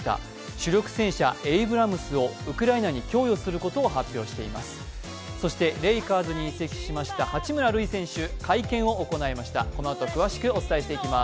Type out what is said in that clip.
主力戦車・エイブラムスをウクライナに供与することを発表しています。